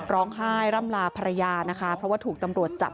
ร่ำลาภรรยานะคะเพราะว่าถูกตำรวจจับ